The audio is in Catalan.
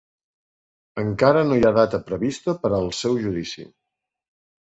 Encara no hi ha data prevista per al seu judici.